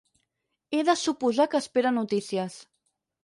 He de suposar que espera notícies.